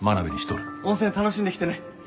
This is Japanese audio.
温泉楽しんできてね。